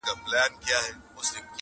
حکمتونه د لقمان دي ستا مرحم مرحم کتو کي,